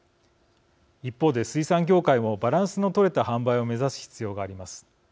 一方で水産業界もバランスの取れた販売を目指す必要があります。